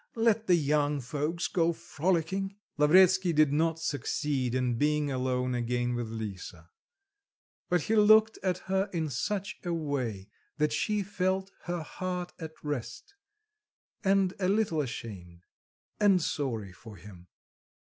Let the young folks go frolicking." Lavretsky did not succeed in being alone again with Lisa; but he looked at her in such a way that she felt her heart at rest, and a little ashamed, and sorry for him.